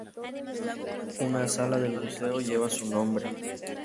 Una sala del museo lleva su nombre.